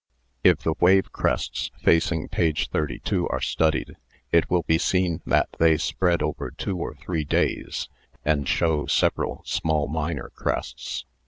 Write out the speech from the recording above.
If the wave crests facing page 32 are studied, it will be seen that they spread over two or three days and show several small minor crests.